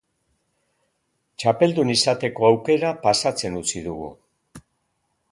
Txapeldun izateko aukera pasatzen utzi dugu.